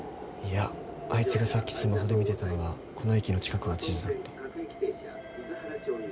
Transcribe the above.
いやあいつがさっきスマホで見てたのはこの駅の近くの地図だった。